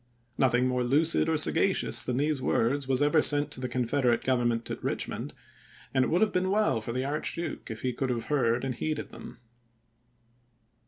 Nothing more lucid or sagacious than these words was ever sent to the Confederate Government at Eichmond; and it would have been well for the Archduke if he could have heard and heeded them.